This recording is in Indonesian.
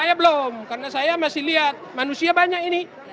saya belum karena saya masih lihat manusia banyak ini